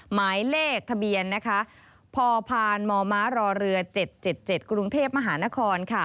หมายเลขทะเบียนพพมมรเรือ๗๗กรุงเทพมหานคร